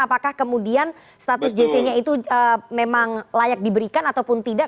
apakah kemudian status jc nya itu memang layak diberikan ataupun tidak